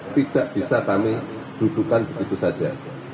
tidak bisa kami dudukan begitu saja